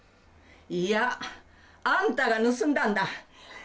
いやあんたが盗んだんだ。